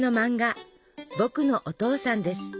「ぼくのお父さん」です。